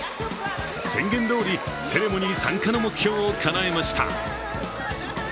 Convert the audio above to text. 宣言どおりセレモニー参加の目標をかなえました。